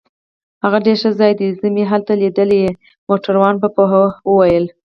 هغه ډیر ښه ځای دی، زه مې هلته لیدلی يې. موټروان په پوهه وویل.